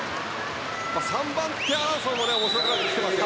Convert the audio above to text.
３番手争いも面白くなっていますよ。